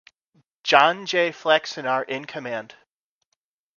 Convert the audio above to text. John Jay Flachsenhar in command.